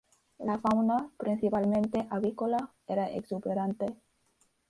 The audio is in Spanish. La fauna, principalmente avícola, era exuberante.